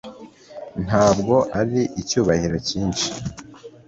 ntabwo ari icyubahiro cyinshi